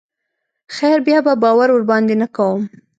خير بيا به باور ورباندې نه کوم.